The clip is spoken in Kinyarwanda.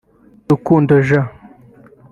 Rukundo Jean